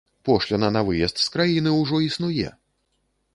Пошліна на выезд з краіны ўжо існуе!